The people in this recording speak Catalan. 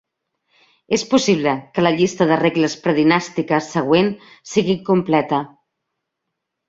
És possible que la llista de regles predinàstiques següent sigui incompleta.